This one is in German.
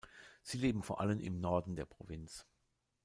Sie leben vor allem im Norden der Provinz.